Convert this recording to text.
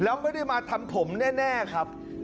แล้วไม่ได้มาทำผมแน่ครับ